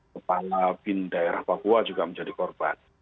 kepala bin daerah papua juga menjadi korban